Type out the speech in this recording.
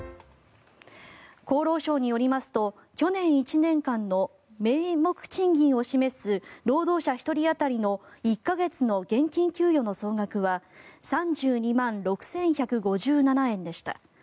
厚労省によりますと去年１年間の名目賃金を示す労働者１人当たりの１か月の現金給与の総額は３２万６１５７円でした。